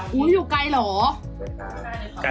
หนูก็ตามจากพี่เก่งไง